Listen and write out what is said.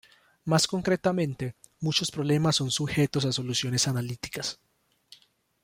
Más concretamente, muchos problemas son sujetos a soluciones analíticas.